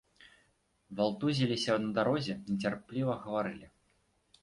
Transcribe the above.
Валтузіліся на дарозе, нецярпліва гаварылі.